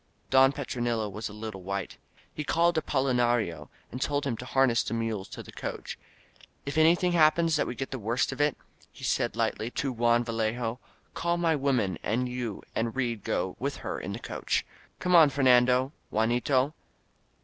Don Petronilo was a little white. He called Apoli nario and told him to harness the mules to the coach. "If anything happens that we get the worst of it," he said lightly to Juan Yallejo, "call my woman and you and Reed go with her in the coach. Come on, Fer nando — Juanito!"